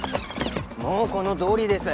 もうこのとおりです。